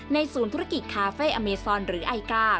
ศูนย์ธุรกิจคาเฟ่อเมซอนหรือไอกา